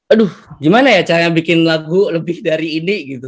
aduh gimana ya cara bikin lagu lebih dari ini gitu